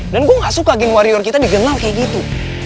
dan gue gak suka geng warrior kita dikenal kayak gitu